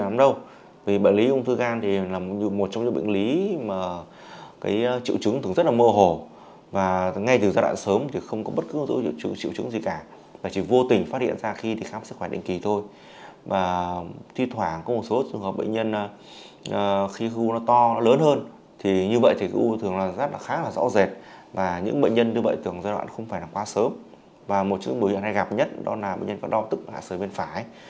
một số dấu hiệu hay gặp nhất là bệnh nhân có đo tức hạ sở bên phải